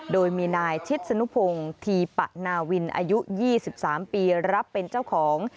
โดยมีนายชิดสนุพงศ์ธีปะนาวินอายุ๒๓ปีรับเป็นเจ้าของ